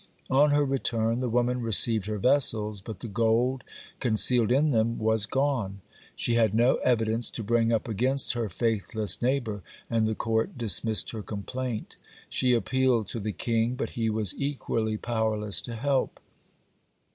On her return the woman received her vessels, but the gold concealed in them was gone. She had no evidence to bring up against her faithless neighbor, and the court dismissed her complaint. She appealed to the king, but he was equally powerless to help.